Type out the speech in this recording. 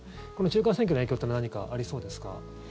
中間選挙の影響って何かありそうですか？